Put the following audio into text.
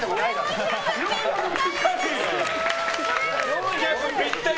４００ｇぴったり！